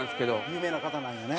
有名な方なんやね。